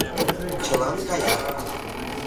Чылан каят.